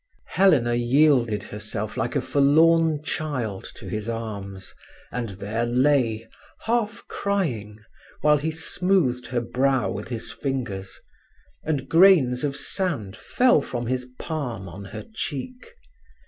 Helena yielded herself like a forlorn child to his arms, and there lay, half crying, while he smoothed her brow with his fingers, and grains of sand fell from his palm on her cheek.